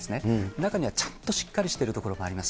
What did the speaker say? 中にはちゃんとしっかりしている所もあります。